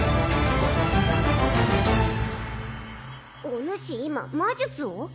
おぬし今魔術を？